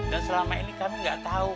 dan selama ini kami gak tau